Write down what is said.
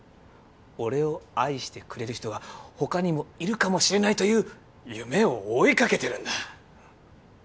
俺を愛してくれる人が他にもいるかもしれないという夢を追いかけてるんだ！